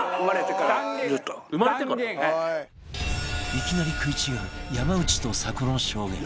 いきなり食い違う山内と佐古の証言